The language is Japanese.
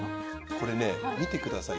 これね見てください。